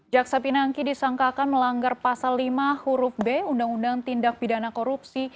jaksa pinangki disangkakan melanggar pasal lima huruf b undang undang tindak pidana korupsi